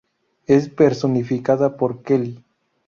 Es personificada por Kelly.